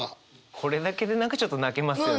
これだけでちょっと泣けますよね。